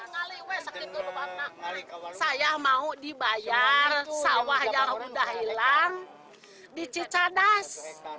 saya mau dibayar sawah yang udah hilang di cicadas